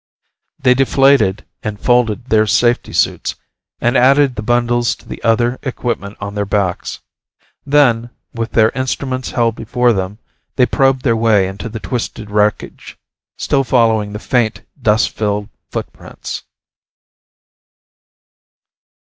They deflated and folded their safety suits and added the bundles to the other equipment on their backs. Then, with their instruments held before them, they probed their way into the twisted wreckage, still following the faint, dust filled footprints.